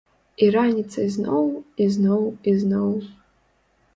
І раніцай зноў, і зноў, і зноў.